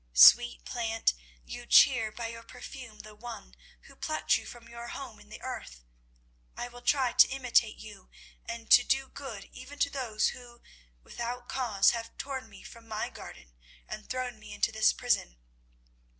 Sweet plant, you cheer by your perfume the one who plucked you from your home in the earth. I will try to imitate you and to do good even to those who without cause have torn me from my garden and thrown me into this prison.